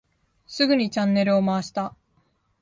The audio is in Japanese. すぐにチャンネルを回した。